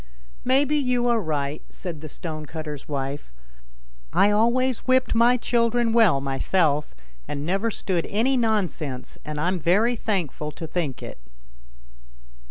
"Maybe you are right," said the stonecutter's wife. " I always whipped my children well myself, and never stood any nonsense, and I'm very thankful to think it."